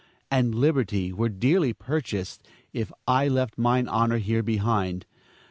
And liberty were dearly purchased if I left mine honor here behind.